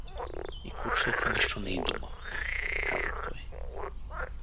— И кучетата нищо не й думат — каза той.